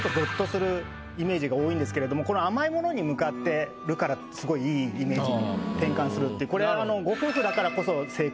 するイメージが多いんですけれどもこの甘い物に向かってるからすごいいいイメージに転換するっていうこれ。